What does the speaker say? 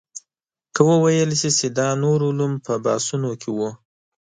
که وویل شي چې دا نور علوم په بحثونو کې وو.